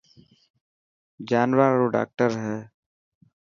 جانوران رو ڊاڪٽر هي.